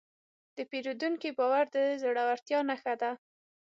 د پیرودونکي باور د زړورتیا نښه ده.